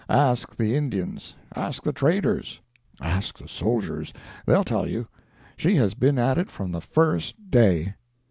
Ask the Indians, ask the traders, ask the soldiers; they'll tell you. She has been at it from the first day.